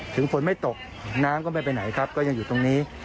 ฝนไม่ตกน้ำก็ไม่ไปไหนครับก็ยังอยู่ตรงนี้